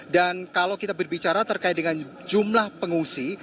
dan kalau kita berbicara terkait dengan jumlah pengungsi